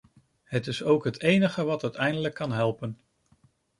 Het is ook het enige wat uiteindelijk kan helpen.